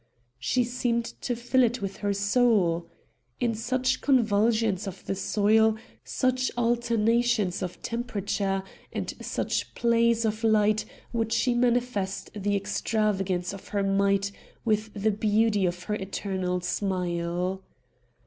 She seemed to fill it with her soul. In such convulsions of the soil, such alternations of temperature, and such plays of light would she manifest the extravagance of her might with the beauty of her eternal smile.